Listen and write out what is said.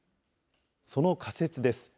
その仮説です。